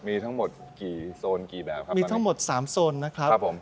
มีทั้งหมดกี่โซนกี่แบบครับมีทั้งหมดสามโซนนะครับครับผม